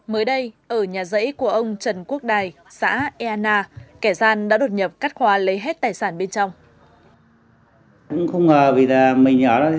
mới đây ở nhà dãy của ông trần quốc đài xã eana kẻ gian đã đột nhập cắt khóa lấy hết tài sản bên trong